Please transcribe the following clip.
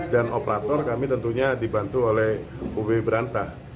dan operator kami tentunya dibantu oleh ub berantah